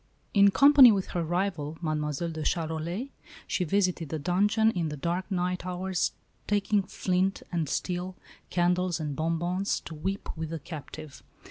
In company with her rival, Mademoiselle de Charolais, she visited the dungeon in the dark night hours, taking flint and steel, candles and bonbons, to weep with the captive.